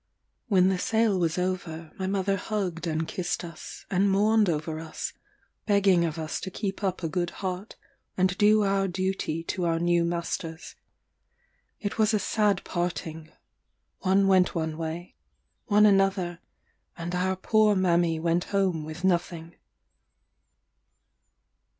When the sale was over, my mother hugged and kissed us, and mourned over us, begging of us to keep up a good heart, and do our duty to our new masters. It was a sad parting; one went one way, one another, and our poor mammy went home with nothing.